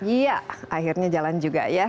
iya akhirnya jalan juga ya